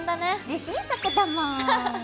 自信作だもん！